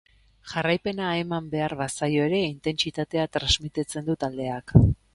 Jarraipena eman behar bazaio ere, intentsitatea trasmititzen du taldeak.